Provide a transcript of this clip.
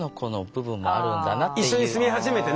一緒に住み始めてね。